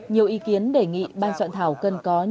nhiều ý kiến đề nghị ban soạn thảo